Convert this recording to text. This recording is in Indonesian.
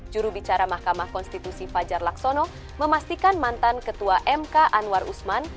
jurubicara mahkamah konstitusi fajar laksono memastikan mantan ketua mk anwar usman